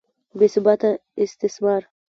بې ثباته استثمار.